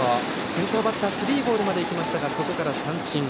先頭バッター、スリーボールまでいきましたがそこから三振。